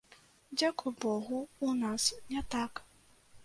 Дзякуй богу, у нас не так.